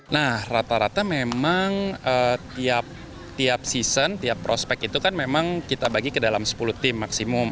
nah rata rata memang tiap season tiap prospek itu kan memang kita bagi ke dalam sepuluh tim maksimum